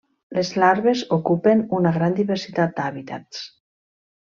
Les larves ocupen una gran diversitat d'hàbitats.